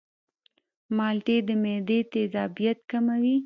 مالټې د معدې تیزابیت کموي.